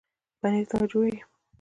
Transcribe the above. پنیر څنګه جوړیږي؟